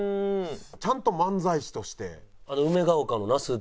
ちゃんと漫才師として。